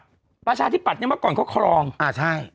ประชาธิบัติประชาธิบัติเนี่ยเมื่อก่อนเขาครองอ่าใช่